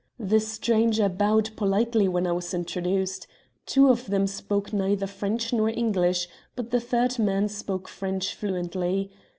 "The strangers bowed politely when I was introduced. Two of them spoke neither French nor English, but the third man spoke French fluently.